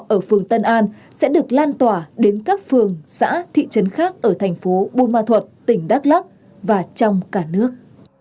ở phường tân an sẽ được lan tỏa đến các phường xã thị trấn khác ở thành phố buôn ma thuật tỉnh đắk lắc và trong cả nước